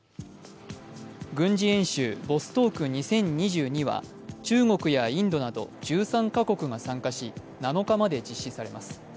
軍事演習、ボストーク２０２２は中国やインドなど１３か国が参加、７日まで実施されます。